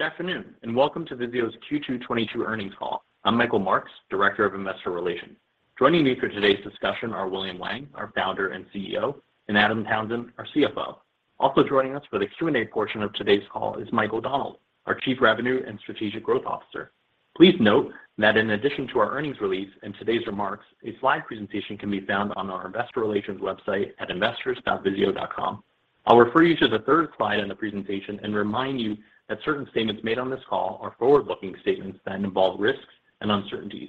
Good afternoon, and welcome to Vizio's Q2 2022 earnings call. I'm Michael Marks, Director of Investor Relations. Joining me for today's discussion are William Wang, our Founder and CEO, and Adam Townsend, our CFO. Also joining us for the Q&A portion of today's call is Mike O'Donnell, our Chief Revenue and Strategic Growth Officer. Please note that in addition to our earnings release and today's remarks, a slide presentation can be found on our investor relations website at investors.vizio.com. I'll refer you to the third slide in the presentation and remind you that certain statements made on this call are forward-looking statements that involve risks and uncertainties.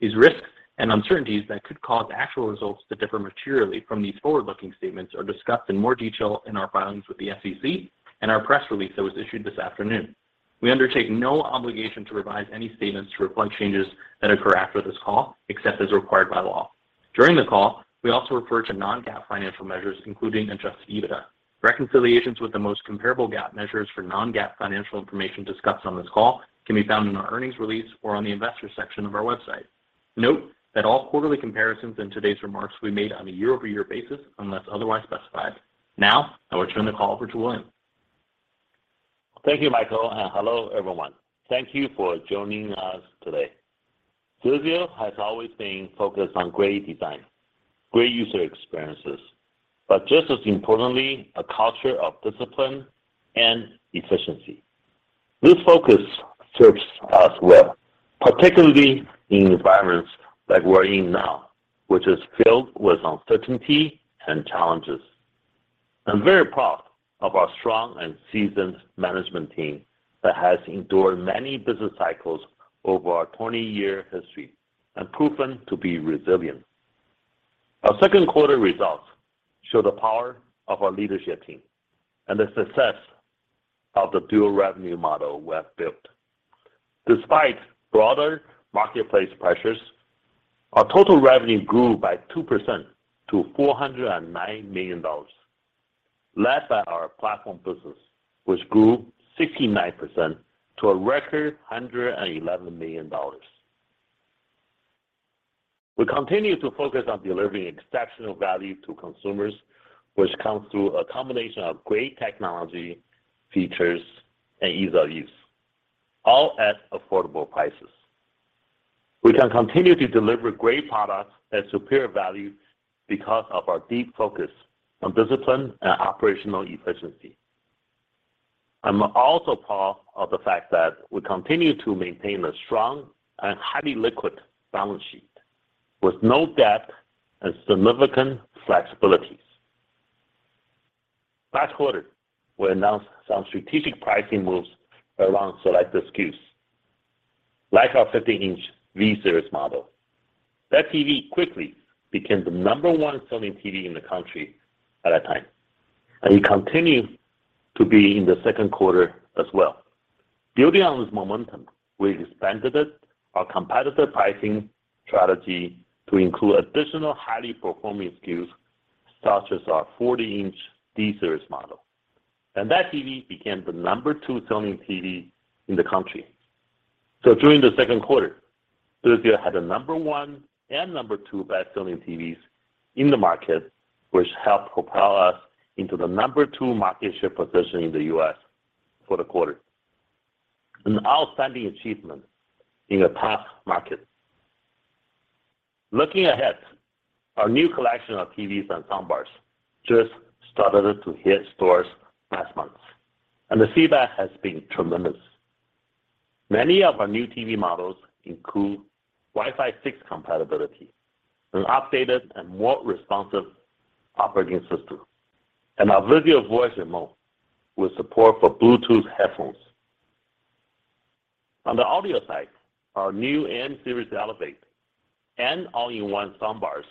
These risks and uncertainties that could cause actual results to differ materially from these forward-looking statements are discussed in more detail in our filings with the SEC and our press release that was issued this afternoon. We undertake no obligation to revise any statements to reflect changes that occur after this call, except as required by law. During the call, we also refer to non-GAAP financial measures, including Adjusted EBITDA. Reconciliations with the most comparable GAAP measures for non-GAAP financial information discussed on this call can be found in our earnings release or on the investors section of our website. Note that all quarterly comparisons in today's remarks will be made on a year-over-year basis unless otherwise specified. Now, I will turn the call over to William. Thank you, Michael, and hello, everyone. Thank you for joining us today. Vizio has always been focused on great design, great user experiences, but just as importantly, a culture of discipline and efficiency. This focus serves us well, particularly in environments like we're in now, which is filled with uncertainty and challenges. I'm very proud of our strong and seasoned management team that has endured many business cycles over our 20-year history and proven to be resilient. Our second quarter results show the power of our leadership team and the success of the dual revenue model we have built. Despite broader marketplace pressures, our total revenue grew by 2% to $409 million, led by our platform business, which grew 69% to a record $111 million. We continue to focus on delivering exceptional value to consumers, which comes through a combination of great technology features and ease of use, all at affordable prices. We can continue to deliver great products at superior value because of our deep focus on discipline and operational efficiency. I'm also proud of the fact that we continue to maintain a strong and highly liquid balance sheet with no debt and significant flexibilities. Last quarter, we announced some strategic pricing moves around select SKUs, like our 50-inch V-Series model. That TV quickly became the number 1 selling TV in the country at that time, and it continued to be in the second quarter as well. Building on this momentum, we expanded our competitive pricing strategy to include additional highly performing SKUs such as our 40-inch D-Series model. That TV became the number 2 selling TV in the country. During the second quarter, Vizio had the number 1 and number 2 best-selling TVs in the market, which helped propel us into the number 2 market share position in the U.S. for the quarter. An outstanding achievement in a tough market. Looking ahead, our new collection of TVs and soundbars just started to hit stores last month, and the feedback has been tremendous. Many of our new TV models include Wi-Fi 6 compatibility, an updated and more responsive operating system, and our VIZIO Voice Remote with support for Bluetooth headphones. On the audio side, our new M-Series Elevate and all-in-one soundbars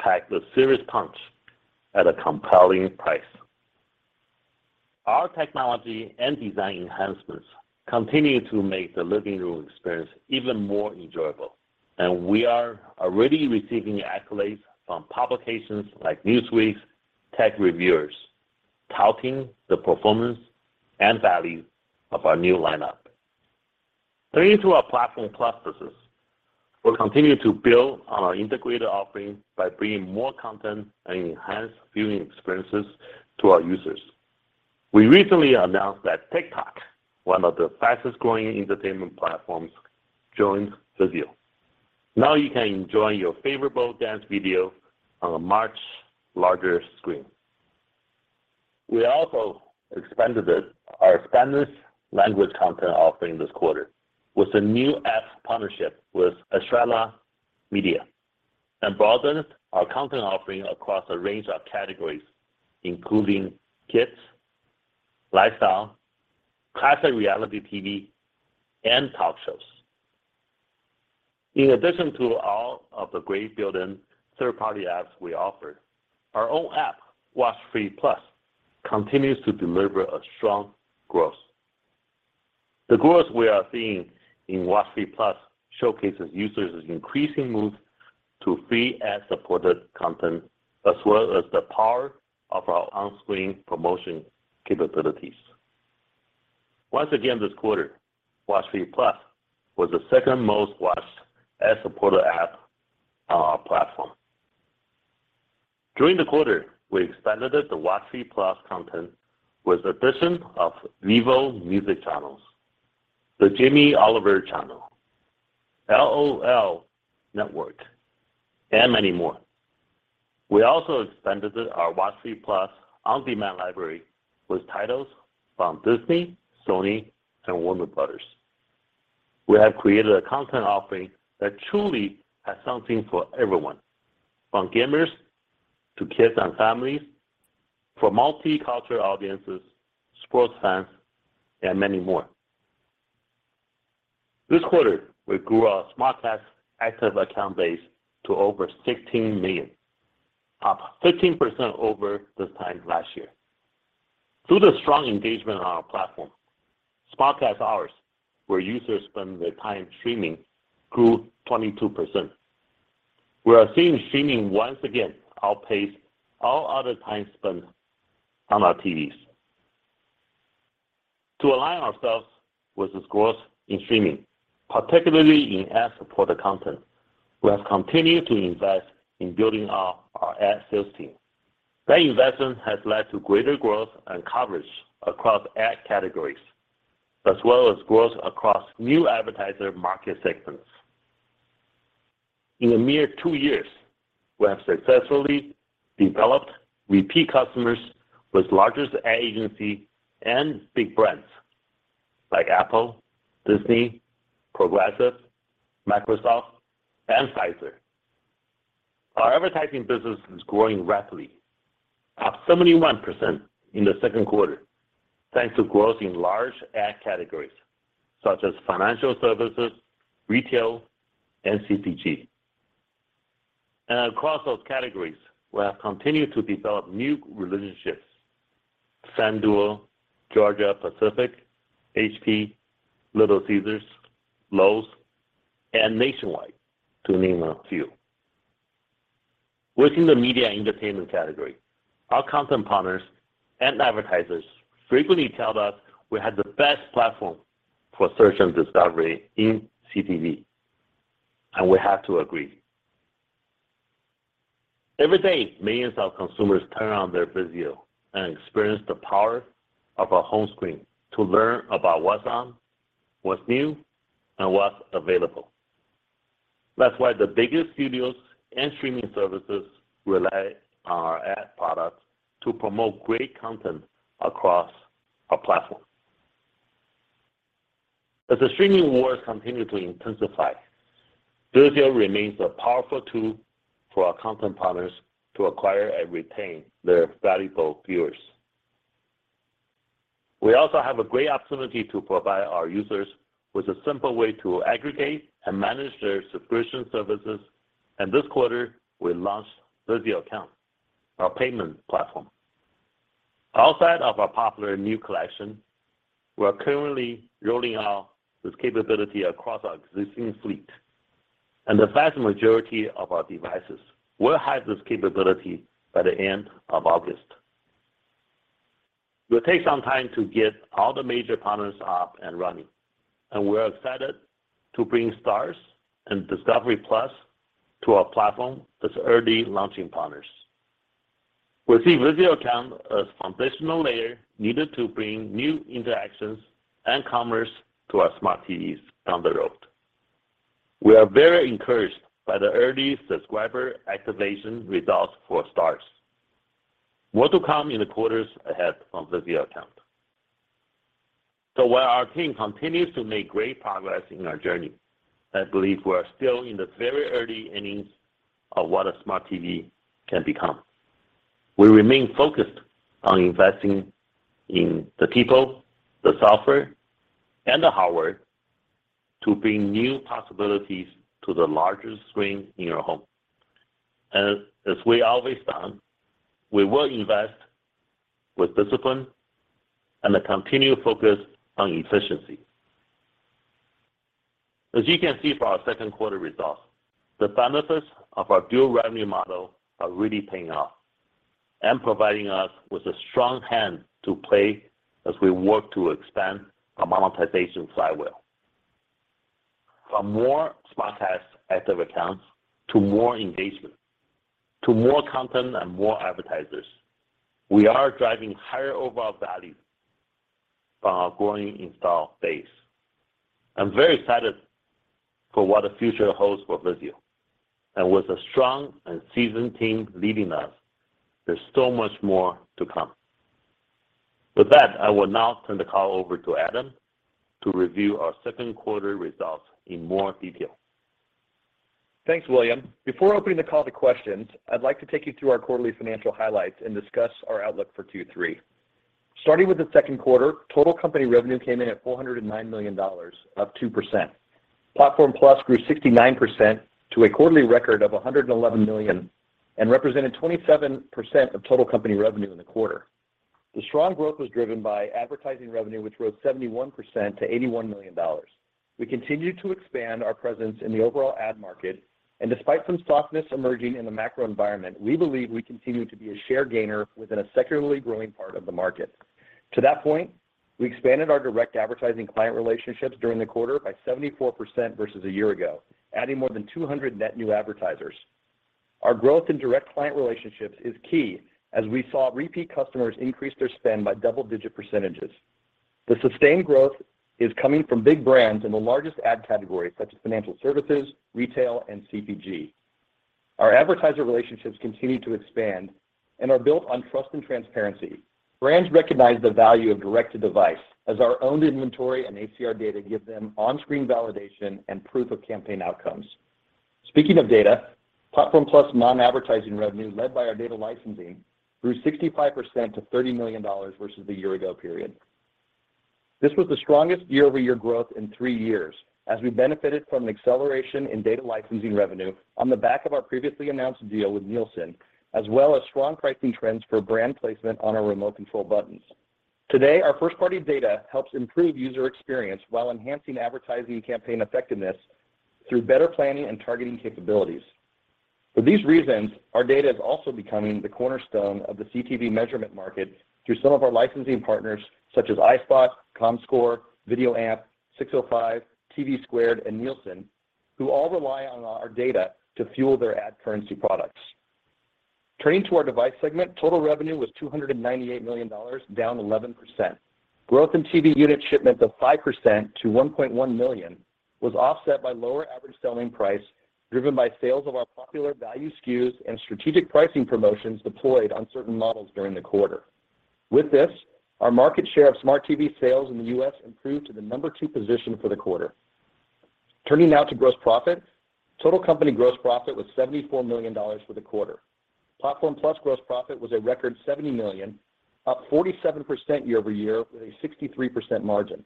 pack the serious punch at a compelling price. Our technology and design enhancements continue to make the living room experience even more enjoyable, and we are already receiving accolades from publications like Newsweek's tech reviewers, touting the performance and value of our new lineup. Turning to our Platform+ business, we'll continue to build on our integrated offering by bringing more content and enhanced viewing experiences to our users. We recently announced that TikTok, one of the fastest-growing entertainment platforms, joined Vizio. Now you can enjoy your favorite dance video on a much larger screen. We also expanded our Spanish language content offering this quarter with a new app partnership with Estrella Media and broadened our content offering across a range of categories, including kids, lifestyle, classic reality TV, and talk shows. In addition to all of the great built-in third-party apps we offer, our own app, WatchFree+, continues to deliver a strong growth. The growth we are seeing in WatchFree+ showcases users' increasing move to free ad-supported content as well as the power of our on-screen promotion capabilities. Once again this quarter, WatchFree+ was the second most-watched ad-supported app on our platform. During the quarter, we expanded the WatchFree+ content with addition of Vevo music channels, the Jamie Oliver channel, LOL Network, and many more. We also expanded our WatchFree+ on-demand library with titles from Disney, Sony, and Warner Bros. We have created a content offering that truly has something for everyone, from gamers to kids and families, for multicultural audiences, sports fans, and many more. This quarter, we grew our SmartCast active account base to over 16 million, up 13% over this time last year. Through the strong engagement on our platform, SmartCast hours where users spend their time streaming grew 22%. We are seeing streaming once again outpace all other time spent on our TVs. To align ourselves with this growth in streaming, particularly in ad-supported content, we have continued to invest in building out our ad sales team. That investment has led to greater growth and coverage across ad categories, as well as growth across new advertiser market segments. In a mere two years, we have successfully developed repeat customers with the largest ad agency and big brands like Apple, Disney, Progressive, Microsoft, and Pfizer. Our advertising business is growing rapidly, up 71% in the second quarter, thanks to growth in large ad categories such as financial services, retail, and CPG. Across those categories, we have continued to develop new relationships, FanDuel, Georgia-Pacific, HP, Little Caesars, Lowe's, and Nationwide, to name a few. Within the media entertainment category, our content partners and advertisers frequently tell us we have the best platform for search and discovery in CTV, and we have to agree. Every day, millions of consumers turn on their Vizio and experience the power of our home screen to learn about what's on, what's new, and what's available. That's why the biggest studios and streaming services rely on our ad products to promote great content across our platform. As the streaming wars continue to intensify, Vizio remains a powerful tool for our content partners to acquire and retain their valuable viewers. We also have a great opportunity to provide our users with a simple way to aggregate and manage their subscription services. This quarter, we launched VIZIO Account, our payment platform. Outside of our popular new collection, we are currently rolling out this capability across our existing fleet. The vast majority of our devices will have this capability by the end of August. It will take some time to get all the major partners up and running, and we're excited to bring Starz and Discovery+ to our platform as early launching partners. We see VIZIO Account as a foundational layer needed to bring new interactions and commerce to our Smart TVs down the road. We are very encouraged by the early subscriber activation results for Starz. More to come in the quarters ahead from VIZIO Account. While our team continues to make great progress in our journey, I believe we are still in the very early innings of what a smart TV can become. We remain focused on investing in the people, the software, and the hardware to bring new possibilities to the largest screen in your home. As we always done, we will invest with discipline and a continued focus on efficiency. As you can see from our second quarter results, the benefits of our dual revenue model are really paying off and providing us with a strong hand to play as we work to expand our monetization flywheel. From more SmartCast active accounts to more engagement to more content and more advertisers, we are driving higher overall value from our growing install base. I'm very excited for what the future holds for Vizio. With a strong and seasoned team leading us, there's so much more to come. With that, I will now turn the call over to Adam to review our second quarter results in more detail. Thanks, William. Before opening the call to questions, I'd like to take you through our quarterly financial highlights and discuss our outlook for Q3. Starting with the second quarter, total company revenue came in at $409 million, up 2%. Platform+ grew 69% to a quarterly record of $111 million and represented 27% of total company revenue in the quarter. The strong growth was driven by advertising revenue, which rose 71% to $81 million. We continue to expand our presence in the overall ad market. Despite some softness emerging in the macro environment, we believe we continue to be a share gainer within a secularly growing part of the market. To that point, we expanded our direct advertising client relationships during the quarter by 74% versus a year ago, adding more than 200 net new advertisers. Our growth in direct client relationships is key as we saw repeat customers increase their spend by double-digit percentages. The sustained growth is coming from big brands in the largest ad categories such as financial services, retail, and CPG. Our advertiser relationships continue to expand and are built on trust and transparency. Brands recognize the value of direct-to-device as our owned inventory and ACR data give them on-screen validation and proof of campaign outcomes. Speaking of data, Platform+ non-advertising revenue led by our data licensing grew 65% to $30 million versus the year ago period. This was the strongest year-over-year growth in three years as we benefited from an acceleration in data licensing revenue on the back of our previously announced deal with Nielsen, as well as strong pricing trends for brand placement on our remote control buttons. Today, our first-party data helps improve user experience while enhancing advertising campaign effectiveness through better planning and targeting capabilities. For these reasons, our data is also becoming the cornerstone of the CTV measurement market through some of our licensing partners such as iSpot, Comscore, VideoAmp, 605, TVSquared, and Nielsen, who all rely on our data to fuel their ad currency products. Turning to our device segment, total revenue was $298 million, down 11%. Growth in TV unit shipments of 5% to 1.1 million was offset by lower average selling price, driven by sales of our popular value SKUs and strategic pricing promotions deployed on certain models during the quarter. With this, our market share of smart TV sales in the U.S. improved to the number two position for the quarter. Turning now to gross profit. Total company gross profit was $74 million for the quarter. Platform+ gross profit was a record $70 million, up 47% year-over-year, with a 63% margin.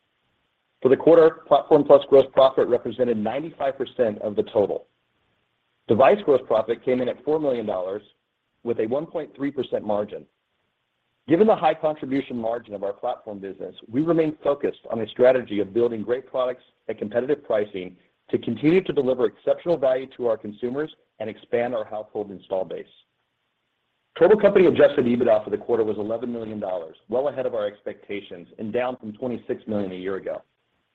For the quarter, Platform+ gross profit represented 95% of the total. Device gross profit came in at $4 million with a 1.3% margin. Given the high contribution margin of our platform business, we remain focused on a strategy of building great products at competitive pricing to continue to deliver exceptional value to our consumers and expand our household install base. Total company Adjusted EBITDA for the quarter was $11 million, well ahead of our expectations and down from $26 million a year ago.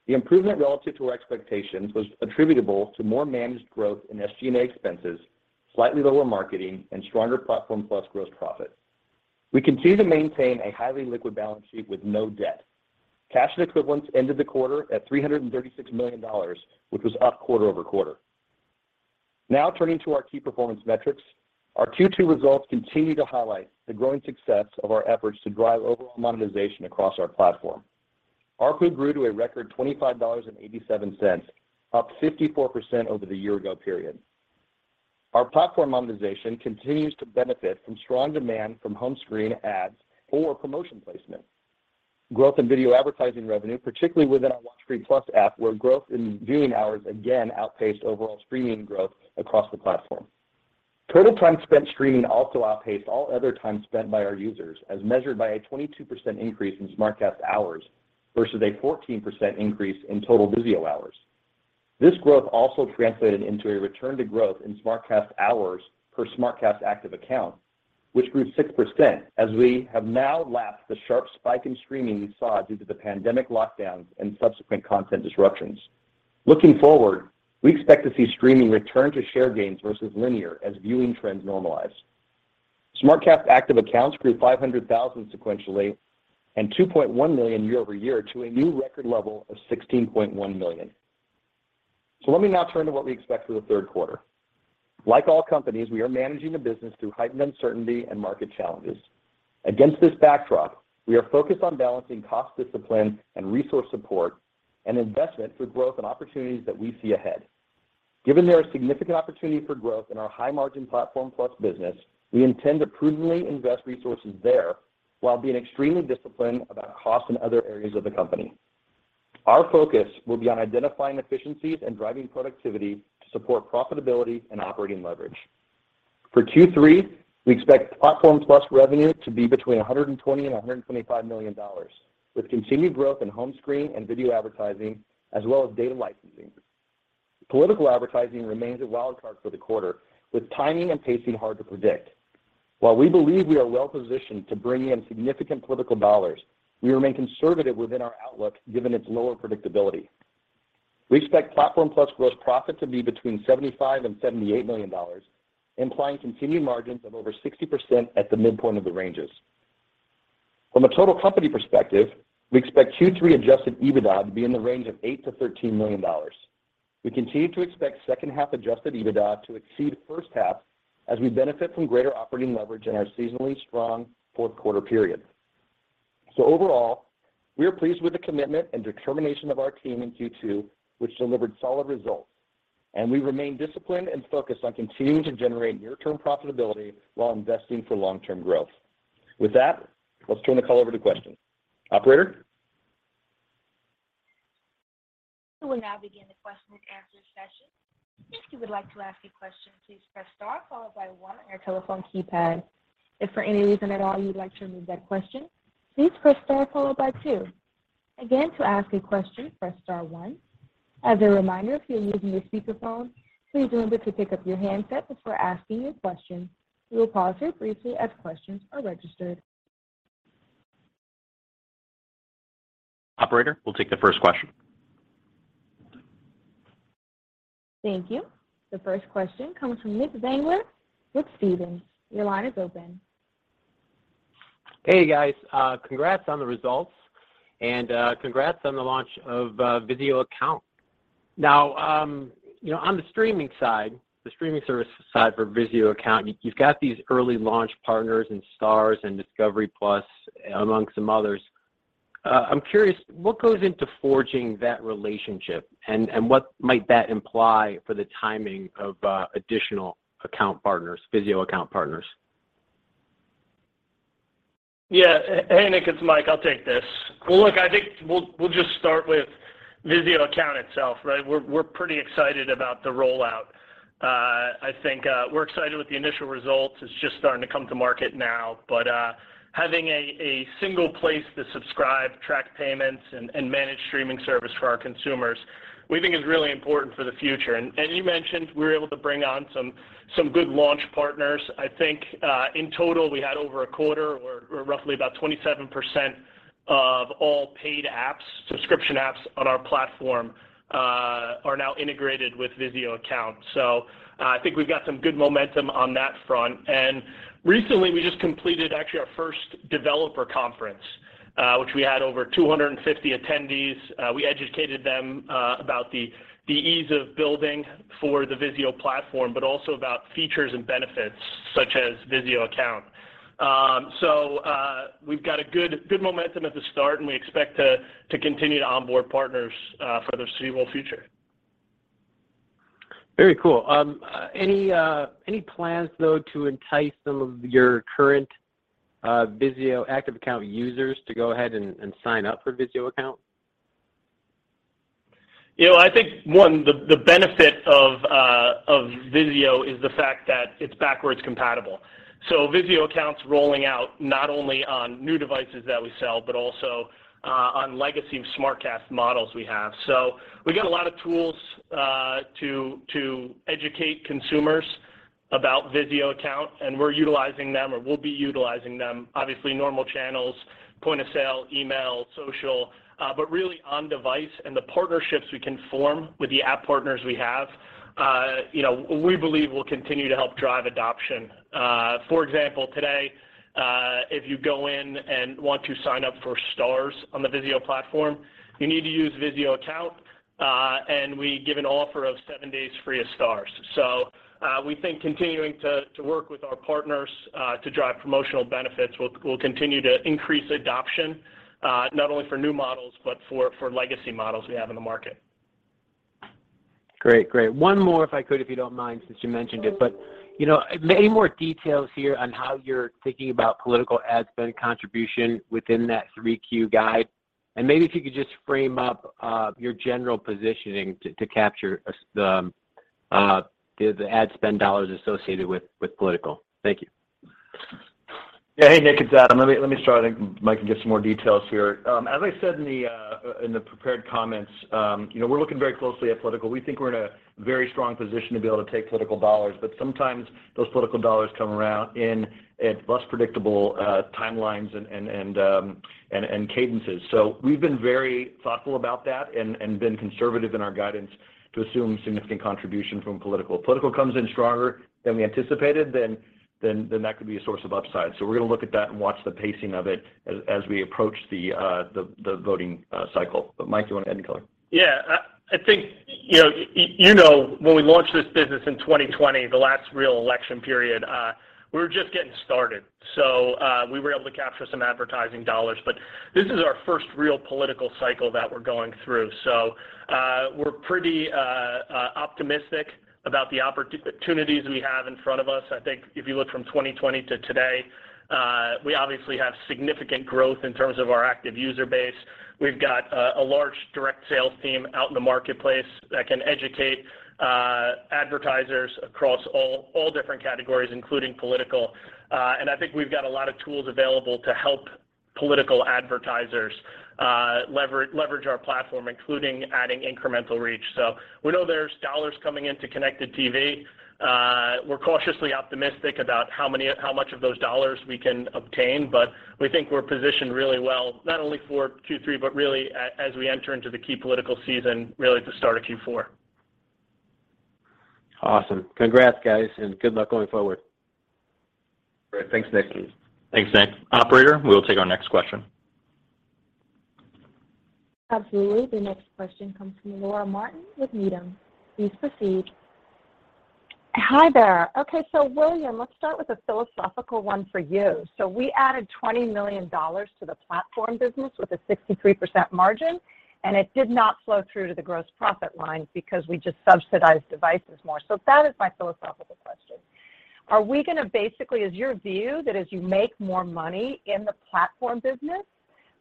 The improvement relative to our expectations was attributable to more managed growth in SG&A expenses, slightly lower marketing, and stronger Platform+ gross profit. We continue to maintain a highly liquid balance sheet with no debt. Cash and equivalents ended the quarter at $336 million, which was up quarter-over-quarter. Now turning to our key performance metrics. Our Q2 results continue to highlight the growing success of our efforts to drive overall monetization across our platform. ARPU grew to a record $25.87, up 54% over the year-ago period. Our platform monetization continues to benefit from strong demand from home screen ads or promotion placement. Growth in video advertising revenue, particularly within our WatchFree+ app, where growth in viewing hours again outpaced overall streaming growth across the platform. Total time spent streaming also outpaced all other time spent by our users as measured by a 22% increase in SmartCast hours versus a 14% increase in total Vizio hours. This growth also translated into a return to growth in SmartCast hours per SmartCast active account, which grew 6% as we have now lapped the sharp spike in streaming we saw due to the pandemic lockdowns and subsequent content disruptions. Looking forward, we expect to see streaming return to share gains versus linear as viewing trends normalize. SmartCast active accounts grew 500,000 sequentially and 2.1 million year-over-year to a new record level of 16.1 million. Let me now turn to what we expect for the third quarter. Like all companies, we are managing the business through heightened uncertainty and market challenges. Against this backdrop, we are focused on balancing cost discipline and resource support and investment for growth and opportunities that we see ahead. Given there are significant opportunities for growth in our high-margin Platform+ business, we intend to prudently invest resources there while being extremely disciplined about costs in other areas of the company. Our focus will be on identifying efficiencies and driving productivity to support profitability and operating leverage. For Q3, we expect Platform+ revenue to be between $120 million and $125 million, with continued growth in home screen and video advertising, as well as data licensing. Political advertising remains a wild card for the quarter, with timing and pacing hard to predict. While we believe we are well positioned to bring in significant political dollars, we remain conservative within our outlook given its lower predictability. We expect Platform+ gross profit to be between $75 million and $78 million, implying continued margins of over 60% at the midpoint of the ranges. From a total company perspective, we expect Q3 Adjusted EBITDA to be in the range of $8 million-$13 million. We continue to expect second-half Adjusted EBITDA to exceed first half as we benefit from greater operating leverage in our seasonally strong fourth quarter period. Overall, we are pleased with the commitment and determination of our team in Q2, which delivered solid results. We remain disciplined and focused on continuing to generate near-term profitability while investing for long-term growth. With that, let's turn the call over to questions. Operator. We will now begin the question and answer session. If you would like to ask a question, please press star followed by one on your telephone keypad. If for any reason at all you'd like to remove that question, please press star followed by two. Again, to ask a question, press star one. As a reminder, if you're using your speaker phone, please remember to pick up your handset before asking your question. We will pause here briefly as questions are registered. Operator, we'll take the first question. Thank you. The first question comes from Nick Zangler with Stephens. Your line is open. Hey, guys. Congrats on the results and congrats on the launch of VIZIO Account. Now, you know, on the streaming side, the streaming service side for VIZIO Account, you've got these early launch partners and Starz and Discovery+ amongst some others. I'm curious what goes into forging that relationship and what might that imply for the timing of additional account partners, VIZIO Account partners? Yeah. Any, Nick, it's Mike. I'll take this. Well, look, I think we'll just start with VIZIO Account itself, right? We're pretty excited about the rollout. I think we're excited with the initial results. It's just starting to come to market now. Having a single place to subscribe, track payments, and manage streaming service for our consumers, we think is really important for the future. You mentioned we were able to bring on some good launch partners. I think in total, we had over a quarter or roughly about 27% of all paid apps, subscription apps on our platform are now integrated with VIZIO Account. I think we've got some good momentum on that front. Recently, we just completed actually our first developer conference, which we had over 250 attendees. We educated them about the ease of building for the Vizio platform, but also about features and benefits such as VIZIO Account. We've got a good momentum at the start, and we expect to continue to onboard partners for the foreseeable future. Very cool. Any plans though to entice some of your current VIZIO active account users to go ahead and sign up for VIZIO Account? You know, I think one, the benefit of Vizio is the fact that it's backwards compatible. VIZIO Account's rolling out not only on new devices that we sell, but also on legacy SmartCast models we have. We got a lot of tools to educate consumers about VIZIO Account, and we're utilizing them, or we'll be utilizing them, obviously normal channels, point of sale, email, social, but really on device and the partnerships we can form with the app partners we have, you know, we believe will continue to help drive adoption. For example, today, if you go in and want to sign up for Starz on the Vizio platform, you need to use VIZIO Account. We give an offer of seven days free of Starz. We think continuing to work with our partners to drive promotional benefits will continue to increase adoption, not only for new models, but for legacy models we have in the market. Great. One more if I could, if you don't mind, since you mentioned it. You know, any more details here on how you're thinking about political ad spend contribution within that Q3 guide? Maybe if you could just frame up your general positioning to capture the ad spend dollars associated with political. Thank you. Yeah. Hey, Nick. It's Adam. Let me start. I think Mike can give some more details here. As I said in the prepared comments, you know, we're looking very closely at political. We think we're in a very strong position to be able to take political dollars. Sometimes those political dollars come around in less predictable timelines and cadences. We've been very thoughtful about that and been conservative in our guidance to assume significant contribution from political. If political comes in stronger than we anticipated, then that could be a source of upside. We're gonna look at that and watch the pacing of it as we approach the voting cycle. Mike, do you want to add any color? Yeah. I think, you know, you know when we launched this business in 2020, the last real election period, we were just getting started, so we were able to capture some advertising dollars. This is our first real political cycle that we're going through. We're pretty optimistic about the opportunities we have in front of us. I think if you look from 2020 to today, we obviously have significant growth in terms of our active user base. We've got a large direct sales team out in the marketplace that can educate advertisers across all different categories, including political. I think we've got a lot of tools available to help political advertisers leverage our platform, including adding incremental reach. We know there's dollars coming into connected TV. We're cautiously optimistic about how much of those dollars we can obtain, but we think we're positioned really well, not only for Q3, but really as we enter into the key political season, really at the start of Q4. Awesome. Congrats, guys, and good luck going forward. Great. Thanks, Nick. Thanks, Nick. Operator, we will take our next question. Absolutely. The next question comes from Laura Martin with Needham. Please proceed. Hi there. Okay, William, let's start with a philosophical one for you. We added $20 million to the platform business with a 63% margin, and it did not flow through to the gross profit line because we just subsidized devices more. That is my philosophical question. Is your view that as you make more money in the platform business,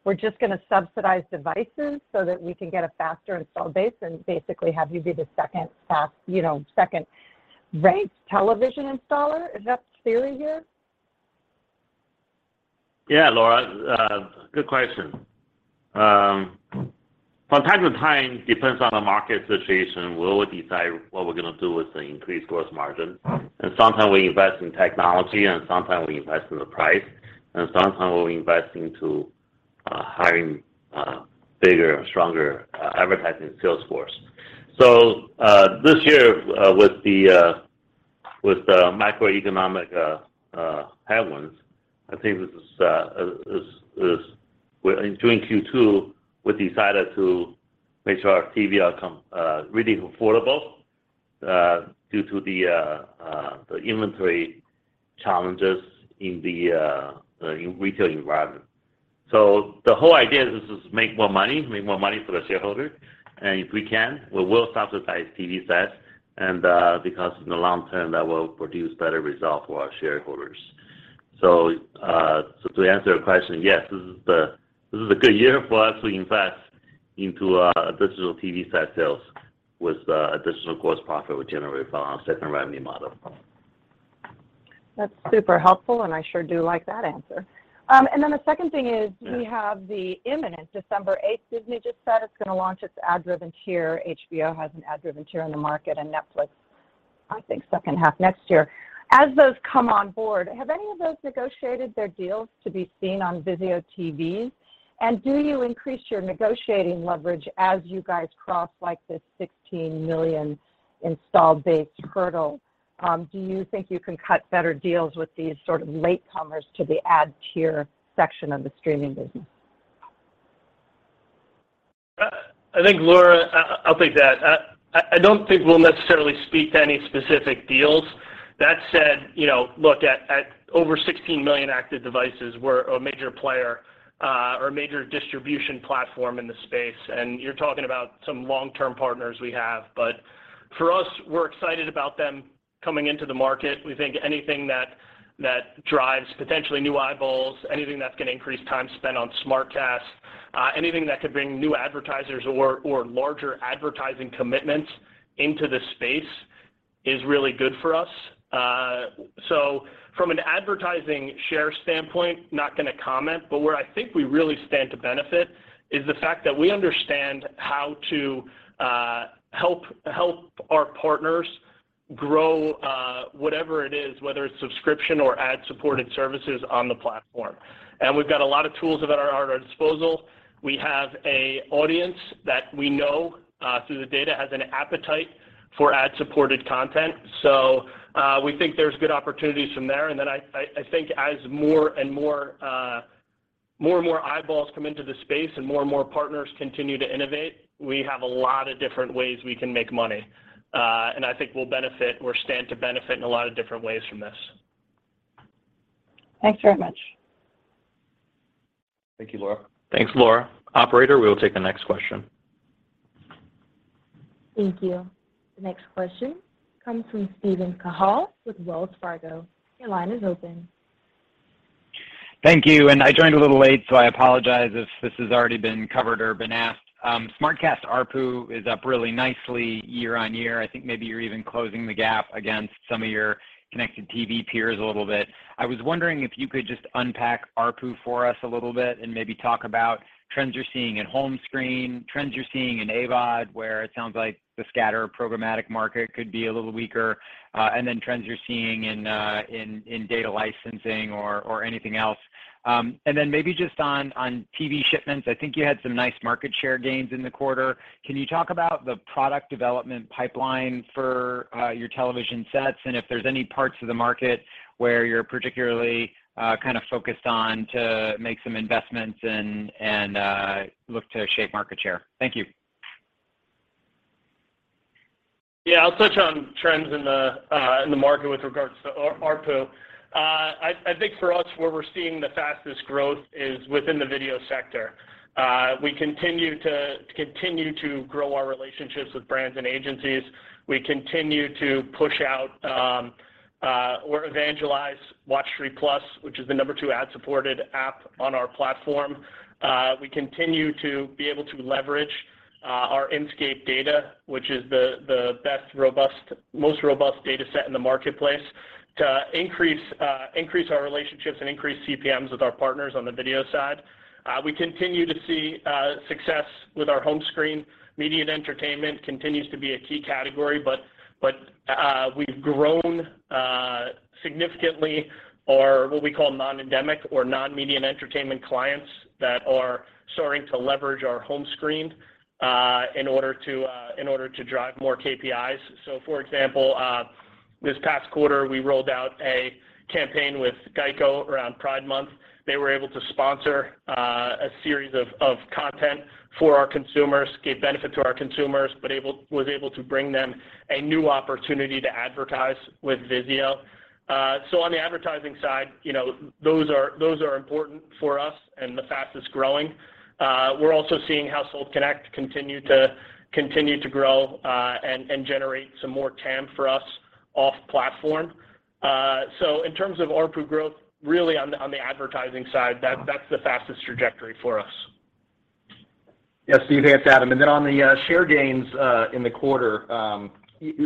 we're just gonna subsidize devices so that we can get a faster install base and basically have you be the second-fast, you know, second-ranked television installer? Is that the theory here? Yeah, Laura, good question. From time to time, depends on the market situation, we'll decide what we're gonna do with the increased gross margin. Sometimes we invest in technology, and sometimes we invest in the price, and sometimes we invest into hiring a bigger, stronger advertising sales force. This year, with the macroeconomic headwinds, I think in Q2 we decided to make sure our TV lineup really affordable due to the inventory challenges in the retail environment. The whole idea is just make more money for the shareholder. If we can, we will subsidize TV sets because in the long term that will produce better result for our shareholders. To answer your question, yes, this is a good year for us to invest into digital TV set sales with the additional gross profit we generate on our second revenue model. That's super helpful, and I sure do like that answer. The second thing is. Yeah We have the imminent December eighth, Disney just said it's gonna launch its ad-driven tier. HBO has an ad-driven tier in the market, and Netflix, I think second half next year. As those come on board, have any of those negotiated their deals to be seen on VIZIO TVs? Do you increase your negotiating leverage as you guys cross, like, this 16 million install base hurdle? Do you think you can cut better deals with these sort of latecomers to the ad tier section of the streaming business? I think, Laura, I'll take that. I don't think we'll necessarily speak to any specific deals. That said, you know, look at over 16 million active devices, we're a major player, or a major distribution platform in the space, and you're talking about some long-term partners we have. For us, we're excited about them coming into the market. We think anything that drives potentially new eyeballs, anything that's gonna increase time spent on SmartCast, anything that could bring new advertisers or larger advertising commitments into the space is really good for us. From an advertising share standpoint, not gonna comment, but where I think we really stand to benefit is the fact that we understand how to help our partners grow, whatever it is, whether it's subscription or ad-supported services on the platform. We've got a lot of tools at our disposal. We have an audience that we know through the data has an appetite for ad-supported content. We think there's good opportunities from there. I think as more and more eyeballs come into the space and more and more partners continue to innovate, we have a lot of different ways we can make money. I think we'll benefit or stand to benefit in a lot of different ways from this. Thanks very much. Thank you, Laura. Thanks, Laura. Operator, we will take the next question. Thank you. The next question comes from Steven Cahall with Wells Fargo. Your line is open. Thank you. I joined a little late, so I apologize if this has already been covered or been asked. SmartCast ARPU is up really nicely year-over-year. I think maybe you're even closing the gap against some of your connected TV peers a little bit. I was wondering if you could just unpack ARPU for us a little bit and maybe talk about trends you're seeing in home screen, trends you're seeing in AVOD, where it sounds like the scatter programmatic market could be a little weaker, and then trends you're seeing in data licensing or anything else. Maybe just on TV shipments. I think you had some nice market share gains in the quarter. Can you talk about the product development pipeline for your television sets and if there's any parts of the market where you're particularly kind of focused on to make some investments and look to shape market share? Thank you. Yeah. I'll touch on trends in the market with regards to ARPU. I think for us, where we're seeing the fastest growth is within the video sector. We continue to grow our relationships with brands and agencies. We continue to push out or evangelize Watchfree+, which is the number two ad-supported app on our platform. We continue to be able to leverage our Inscape data, which is the most robust data set in the marketplace to increase our relationships and increase CPMs with our partners on the video side. We continue to see success with our home screen. Media and entertainment continues to be a key category. We've grown significantly our what we call non-endemic or non-media and entertainment clients that are starting to leverage our home screen in order to drive more KPIs. For example, this past quarter, we rolled out a campaign with GEICO around Pride Month. They were able to sponsor a series of content for our consumers, gave benefit to our consumers, but was able to bring them a new opportunity to advertise with Vizio. On the advertising side, you know, those are important for us and the fastest-growing. We're also seeing Household Connect continue to grow and generate some more TAM for us off platform. In terms of ARPU growth, really on the advertising side, that's the fastest trajectory for us. Yes, Stephen. Thanks, Adam. On the share gains in the quarter,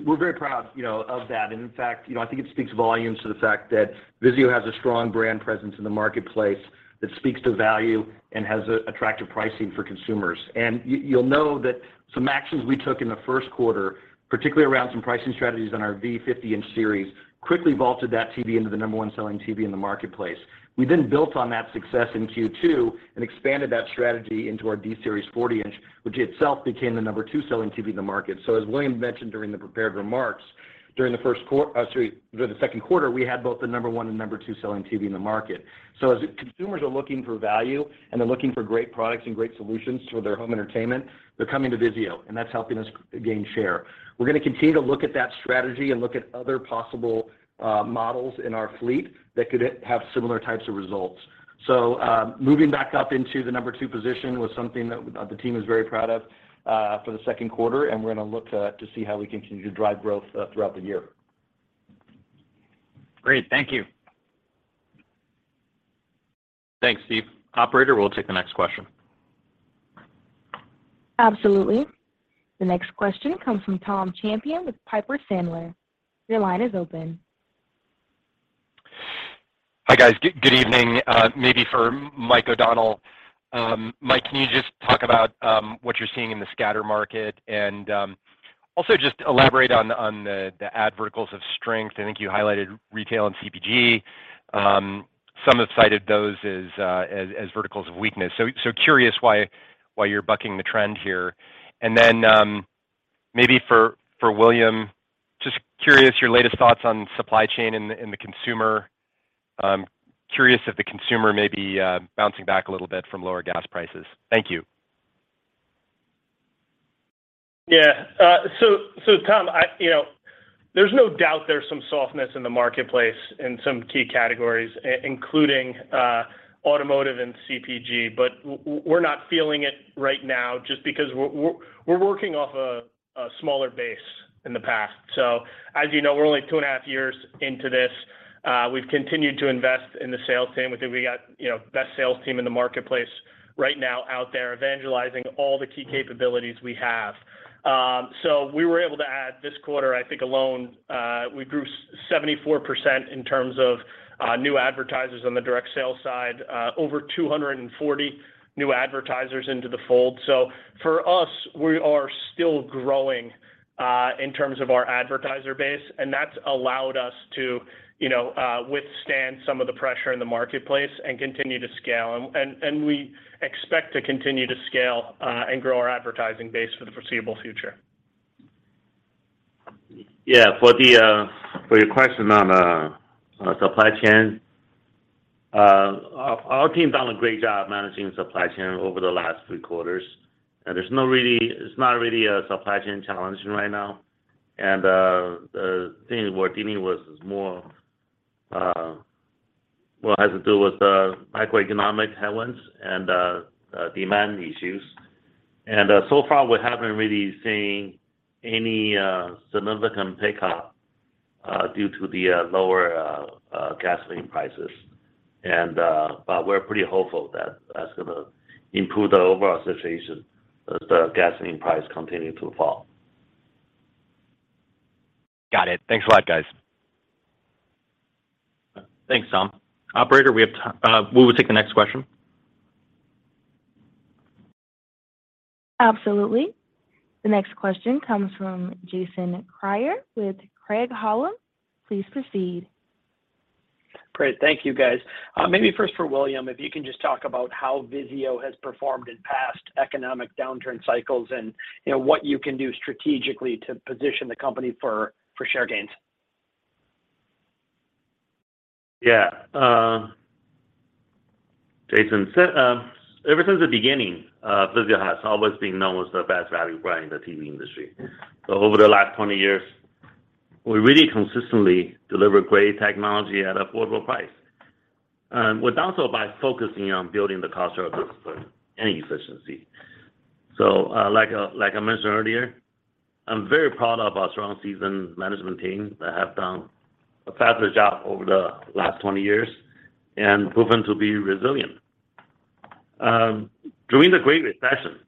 we're very proud, you know, of that. In fact, you know, I think it speaks volumes to the fact that Vizio has a strong brand presence in the marketplace that speaks to value and has attractive pricing for consumers. You'll know that some actions we took in the first quarter, particularly around some pricing strategies on our V-Series 50-inch, quickly vaulted that TV into the number one selling TV in the marketplace. We then built on that success in Q2 and expanded that strategy into our D-Series 40-inch, which itself became the number two selling TV in the market. As William mentioned during the prepared remarks, during the second quarter, we had both the number 1 and number 2 selling TV in the market. As consumers are looking for value, and they're looking for great products and great solutions for their home entertainment, they're coming to Vizio, and that's helping us gain share. We're gonna continue to look at that strategy and look at other possible models in our fleet that could have similar types of results. Moving back up into the number 2 position was something that the team is very proud of for the second quarter, and we're gonna look to see how we continue to drive growth throughout the year. Great. Thank you. Thanks, Steve. Operator, we'll take the next question. Absolutely. The next question comes from Tom Champion with Piper Sandler. Your line is open. Hi, guys. Good evening. Maybe for Mike O'Donnell. Mike, can you just talk about what you're seeing in the scatter market? Also just elaborate on the ad verticals of strength. I think you highlighted retail and CPG. Some have cited those as verticals of weakness. Curious why you're bucking the trend here. Maybe for William, just curious your latest thoughts on supply chain and the consumer. I'm curious if the consumer may be bouncing back a little bit from lower gas prices. Thank you. Yeah. So Tom, you know, there's no doubt there's some softness in the marketplace in some key categories including automotive and CPG. But we're not feeling it right now just because we're working off a smaller base in the past. As you know, we're only 2.5 years into this. We've continued to invest in the sales team. I think we got, you know, best sales team in the marketplace right now out there evangelizing all the key capabilities we have. We were able to add this quarter, I think alone, we grew 74% in terms of new advertisers on the direct sales side. Over 240 new advertisers into the fold. For us, we are still growing in terms of our advertiser base, and that's allowed us to, you know, withstand some of the pressure in the marketplace and continue to scale. We expect to continue to scale and grow our advertising base for the foreseeable future. Yeah. For your question on supply chain, our team done a great job managing supply chain over the last three quarters. There's not really a supply chain challenge right now. The thing we're dealing with is more, well, has to do with macroeconomic headwinds and demand issues. So far, we haven't really seen any significant pickup due to the lower gasoline prices. But we're pretty hopeful that that's gonna improve the overall situation as the gasoline price continue to fall. Got it. Thanks a lot, guys. Thanks, Tom. Operator, we will take the next question. Absolutely. The next question comes from Jason Kreyer with Craig-Hallum. Please proceed. Great. Thank you, guys. Maybe first for William, if you can just talk about how Vizio has performed in past economic downturn cycles and, you know, what you can do strategically to position the company for share gains. Yeah. Jason, ever since the beginning, Vizio has always been known as the best value brand in the TV industry. Over the last 20 years, we really consistently deliver great technology at affordable price. We've done so by focusing on building the cost of business and efficiency. Like I mentioned earlier, I'm very proud of our strong senior management team that have done a fabulous job over the last 20 years and proven to be resilient. During the great recession,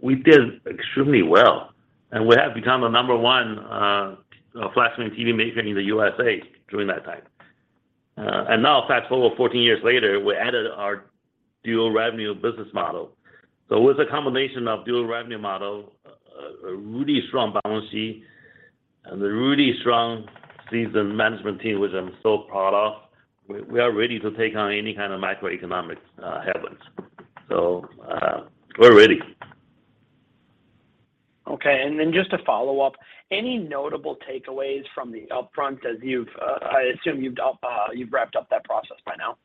we did extremely well and we have become the number one flat-screen TV maker in the U.S.A. during that time. Now fast-forward 14 years later, we added our dual revenue business model. With a combination of dual revenue model, a really strong balance sheet, and a really strong senior management team, which I'm so proud of, we are ready to take on any kind of macroeconomic headwinds. We're ready. Okay. Just to follow up, any notable takeaways from the upfront as I assume you've wrapped up that process by now?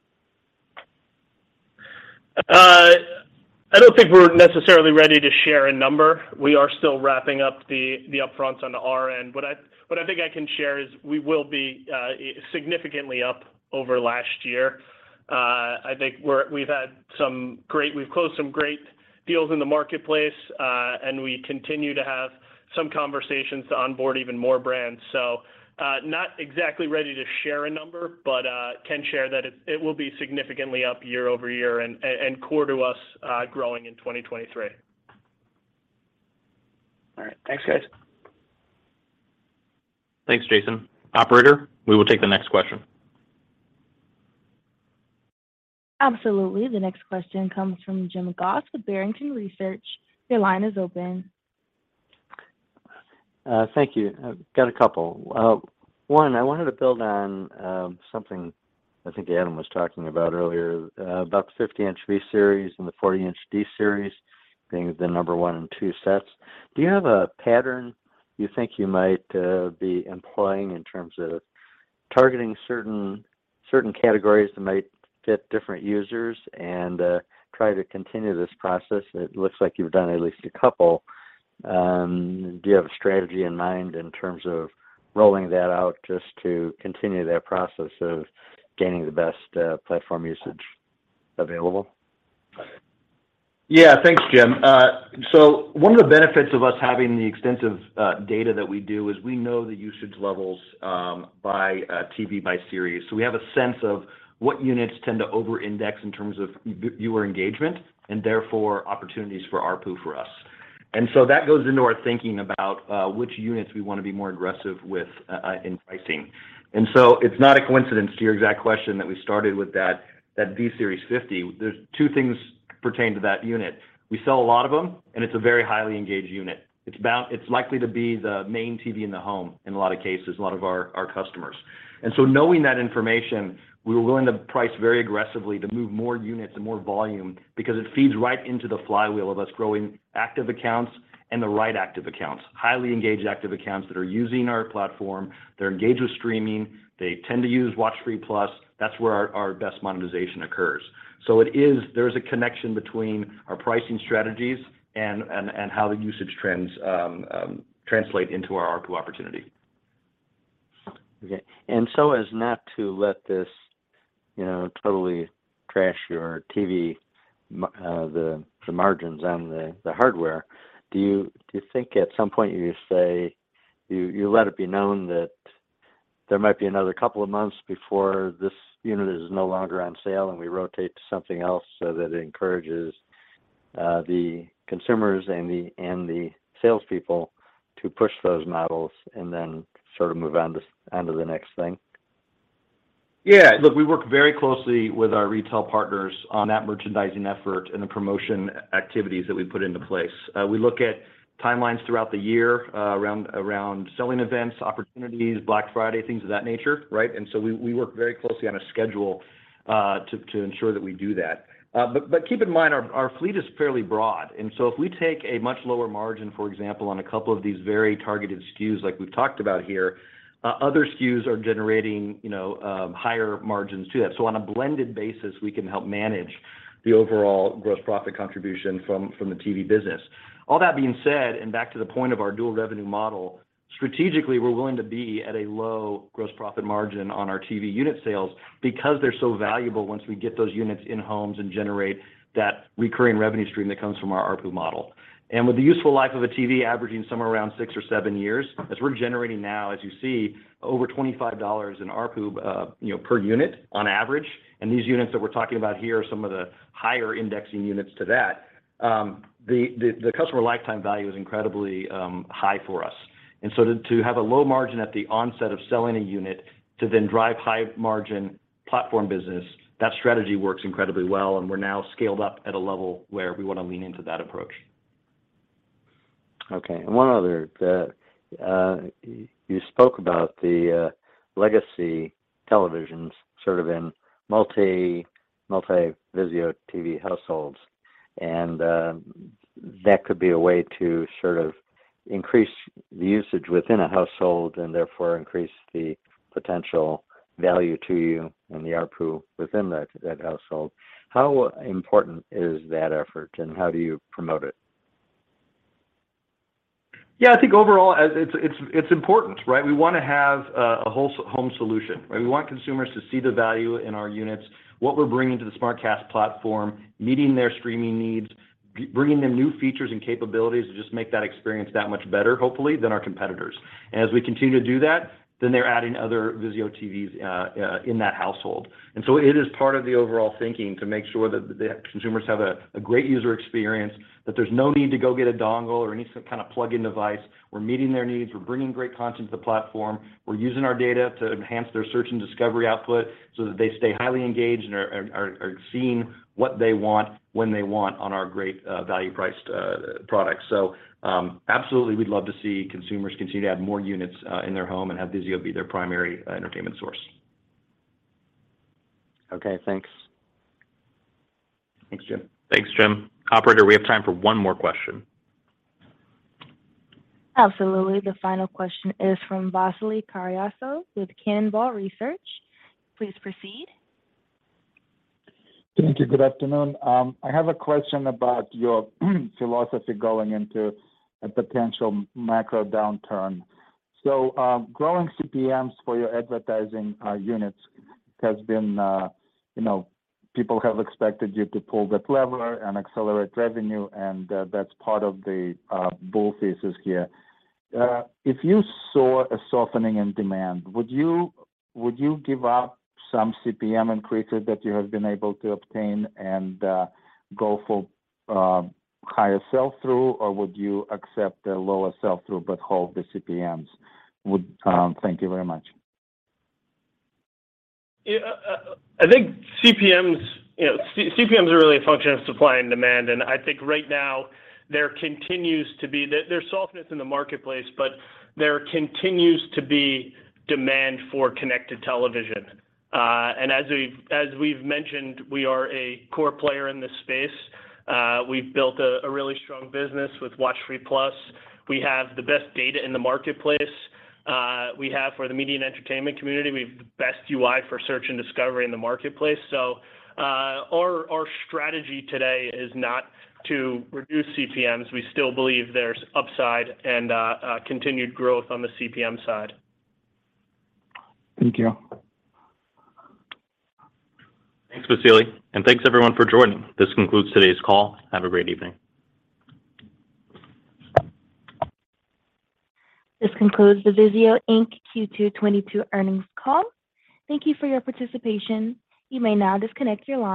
I don't think we're necessarily ready to share a number. We are still wrapping up the upfronts on our end. What I think I can share is we will be significantly up over last year. I think we've closed some great deals in the marketplace, and we continue to have some conversations to onboard even more brands. Not exactly ready to share a number, but can share that it will be significantly up year-over-year and core to us growing in 2023. All right. Thanks, guys. Thanks, Jason. Operator, we will take the next question. Absolutely. The next question comes from James Goss with Barrington Research. Your line is open. Thank you. I've got a couple. One, I wanted to build on something I think Adam was talking about earlier, about the 50-inch V-Series and the 40-inch D-Series being the number one and two sets. Do you have a pattern you think you might be employing in terms of targeting certain categories that might fit different users and try to continue this process? It looks like you've done at least a couple. Do you have a strategy in mind in terms of rolling that out just to continue that process of gaining the best platform usage available? Yeah. Thanks, Jim. One of the benefits of us having the extensive data that we do is we know the usage levels by TV by series. We have a sense of what units tend to over-index in terms of viewer engagement, and therefore opportunities for ARPU for us. That goes into our thinking about which units we wanna be more aggressive with in pricing. It's not a coincidence to your exact question that we started with that V-Series 50. There's two things pertain to that unit. We sell a lot of them, and it's a very highly engaged unit. It's likely to be the main TV in the home in a lot of cases, a lot of our customers. Knowing that information, we were willing to price very aggressively to move more units and more volume because it feeds right into the flywheel of us growing active accounts and the right active accounts. Highly engaged active accounts that are using our platform. They're engaged with streaming. They tend to use WatchFree+. That's where our best monetization occurs. There is a connection between our pricing strategies and how the usage trends translate into our ARPU opportunity. Okay. As not to let this, you know, totally trash your TV margins on the hardware, do you think at some point you let it be known that there might be another couple of months before this unit is no longer on sale, and we rotate to something else so that it encourages the consumers and the salespeople to push those models and then sort of move on to the next thing? Yeah. Look, we work very closely with our retail partners on that merchandising effort and the promotion activities that we put into place. We look at timelines throughout the year around selling events, opportunities, Black Friday, things of that nature, right? We work very closely on a schedule to ensure that we do that. But keep in mind our fleet is fairly broad. If we take a much lower margin, for example, on a couple of these very targeted SKUs like we've talked about here, other SKUs are generating, you know, higher margins to that. On a blended basis, we can help manage the overall gross profit contribution from the TV business. All that being said, back to the point of our dual revenue model, strategically, we're willing to be at a low gross profit margin on our TV unit sales because they're so valuable once we get those units in homes and generate that recurring revenue stream that comes from our ARPU model. With the useful life of a TV averaging somewhere around six or seven years, as we're generating now, as you see, over $25 in ARPU, you know, per unit on average, and these units that we're talking about here are some of the higher indexing units to that, the customer lifetime value is incredibly high for us. To have a low margin at the onset of selling a unit to then drive high margin platform business, that strategy works incredibly well, and we're now scaled up at a level where we wanna lean into that approach. Okay. One other. You spoke about the legacy televisions sort of in multi-VIZIO TV households, and that could be a way to sort of increase the usage within a household and therefore increase the potential value to you and the ARPU within that household. How important is that effort, and how do you promote it? Yeah. I think overall it's important, right? We wanna have a whole home solution, right? We want consumers to see the value in our units, what we're bringing to the SmartCast platform, meeting their streaming needs, bringing them new features and capabilities to just make that experience that much better, hopefully, than our competitors. As we continue to do that, then they're adding other VIZIO TVs in that household. It is part of the overall thinking to make sure that the consumers have a great user experience, that there's no need to go get a dongle or any kind of plug-in device. We're meeting their needs. We're bringing great content to the platform. We're using our data to enhance their search and discovery output so that they stay highly engaged and are seeing what they want when they want on our great value-priced products. Absolutely we'd love to see consumers continue to add more units in their home and have Vizio be their primary entertainment source. Okay, thanks. Thanks, Jim. Thanks, Jim. Operator, we have time for one more question. Absolutely. The final question is from Vasily Karasyov with Cannonball Research. Please proceed. Thank you. Good afternoon. I have a question about your philosophy going into a potential macro downturn. Growing CPMs for your advertising units has been, you know, people have expected you to pull that lever and accelerate revenue, and that's part of the bull thesis here. If you saw a softening in demand, would you give up some CPM increases that you have been able to obtain and go for higher sell-through, or would you accept a lower sell-through but hold the CPMs? Thank you very much. Yeah. I think CPMs, you know, CPMs are really a function of supply and demand. I think right now there continues to be softness in the marketplace, but there continues to be demand for connected television. As we've mentioned, we are a core player in this space. We've built a really strong business with WatchFree+. We have the best data in the marketplace. We have for the media and entertainment community, we have the best UI for search and discovery in the marketplace. Our strategy today is not to reduce CPMs. We still believe there's upside and continued growth on the CPM side. Thank you. Thanks, Vasily. Thanks everyone for joining. This concludes today's call. Have a great evening. This concludes the VIZIO Inc. Q2 2022 earnings call. Thank you for your participation. You may now disconnect your line.